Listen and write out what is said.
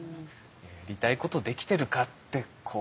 やりたいことできてるかってこう。